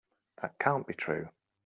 That can't be true.